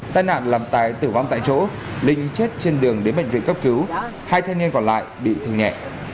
tai nạn làm tài tử vong tại chỗ linh chết trên đường đến bệnh viện cấp cứu hai thanh niên còn lại bị thương nhẹ